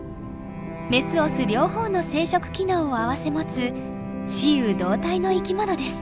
メスオス両方の生殖機能を併せ持つ雌雄同体の生きものです。